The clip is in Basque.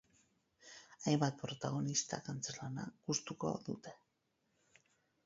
Hainbat protagonistak antzezlana gustuko dute.